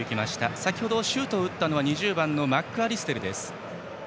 先程、シュートを打ったのは２０番のマックアリステル。